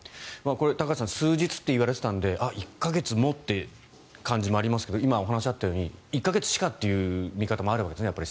高橋さん数日といわれていたので１か月もっていう感じもありますが今、お話にあったように１か月しかという見方もあるわけですね。